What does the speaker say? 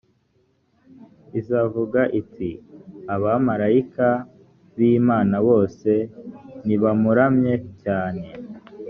izavuga iti abamarayika b imana bose nibamuramye cyane